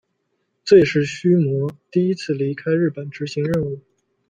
这也是须磨第一次离开日本执行任务。